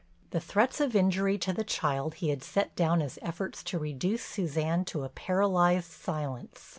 The threats of injury to the child he had set down as efforts to reduce Suzanne to a paralyzed silence.